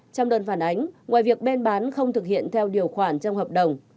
trong đơn phản ánh ngoài việc bên bán không thực hiện theo điều khoản trong hợp đồng